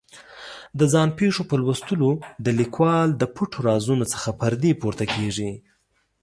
د ځان پېښو په لوستلو د لیکوال د پټو رازونو څخه پردې پورته کېږي.